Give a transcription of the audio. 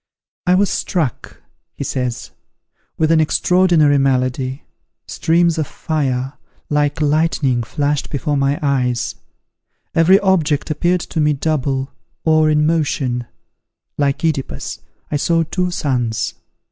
"I was struck," he says, "with an extraordinary malady. Streams of fire, like lightning, flashed before my eyes; every object appeared to me double, or in motion: like Œdipus, I saw two suns.